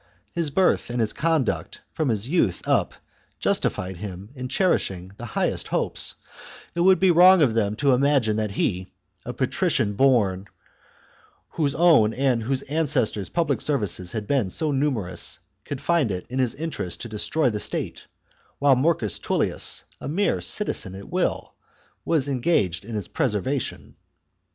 ^^x?' His birth and his conduct from his youth up justified him in cherishing the highest hopes ; it would be wrong of them to imagine that he, a patrician born, whose own and whose ancestors' public services had been so numerous, could find it his interest to destroy the state, while Marcius Tullius, a mere citizen at will, was engaged in its preservation.